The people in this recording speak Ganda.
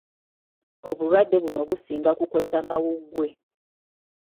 Obulwadde buno businga kukosa mawuggwe.